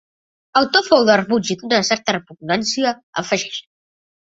El to fou de rebuig i d’una certa repugnància, afegeix.